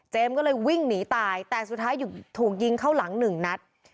ก็เลยวิ่งหนีตายแต่สุดท้ายถูกยิงเข้าหลังหนึ่งนัด